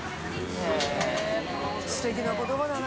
へぇすてきな言葉だな。